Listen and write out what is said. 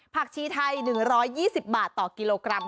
ชีไทย๑๒๐บาทต่อกิโลกรัม